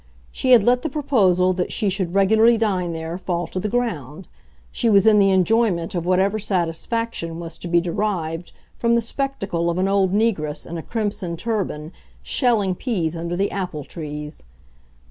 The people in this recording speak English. She had let the proposal that she should regularly dine there fall to the ground; she was in the enjoyment of whatever satisfaction was to be derived from the spectacle of an old negress in a crimson turban shelling peas under the apple trees.